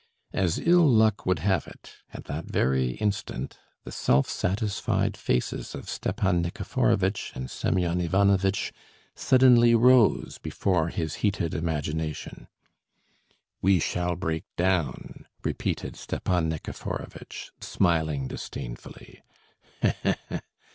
As ill luck would have it, at that very instant the self satisfied faces of Stepan Nikiforovitch and Semyon Ivanovitch suddenly rose before his heated imagination. "We shall break down!" repeated Stepan Nikiforovitch, smiling disdainfully.